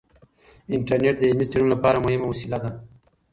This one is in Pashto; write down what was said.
انټرنیټ د علمي څیړنو لپاره مهمه وسیله ده.